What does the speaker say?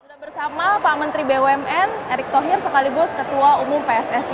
sudah bersama pak menteri bumn erick thohir sekaligus ketua umum pssi